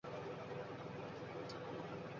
টাকা না থাকলে গিলবে কী।